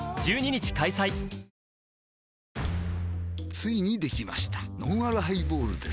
ついにできましたのんあるハイボールです